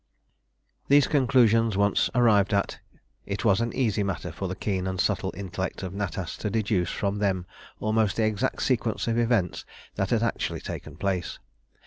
These conclusions once arrived at, it was an easy matter for the keen and subtle intellect of Natas to deduce from them almost the exact sequence of events that had actually taken place.